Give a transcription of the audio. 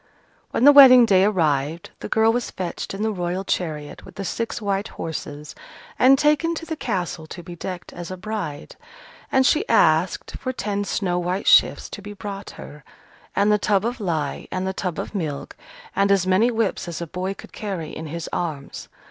When the wedding day arrived, the girl was fetched in the Royal chariot with the six white horses, and taken to the castle to be decked as a bride. And she asked for ten snow white shifts to be brought her, and the tub of lye, and the tub of milk, and as many whips as a boy could carry in his arms.